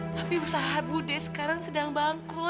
tapi usaha budi sekarang sedang bangkrut